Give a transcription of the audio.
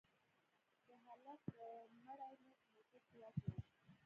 د هلك مړى مو په موټر کښې واچاوه.